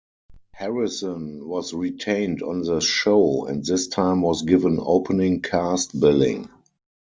Harrison was retained on the show and this time was given opening cast billing.